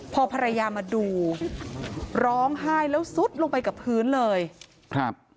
พอภรรยามาดูร้องไห้แล้วซุดลงไปกับพื้นเลยครับ